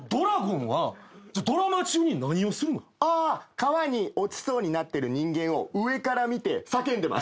川に落ちそうになってる人間を上から見て叫んでます。